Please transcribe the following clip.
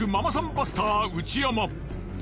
バスター内山。